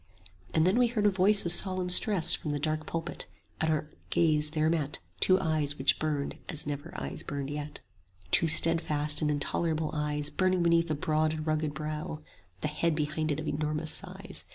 15 And then we heard a voice of solemn stress From the dark pulpit, and our gaze there met Two eyes which burned as never eyes burned yet: Two steadfast and intolerable eyes Burning beneath a broad and rugged brow; 20 The head behind it of enormous size.